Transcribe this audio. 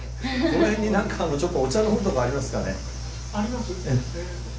この辺になんかちょっとお茶飲むとこありますかね？